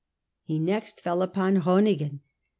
He next fell upon Groningen.